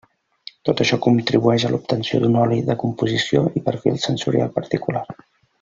Tot això contribueix a l'obtenció d'un oli de composició i perfil sensorial particular.